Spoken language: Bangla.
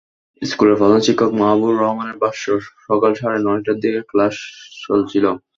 স্কুলের প্রধান শিক্ষক মাহাবুবুর রহমানের ভাষ্য, সকাল সাড়ে নয়টার দিকে ক্লাস চলছিল।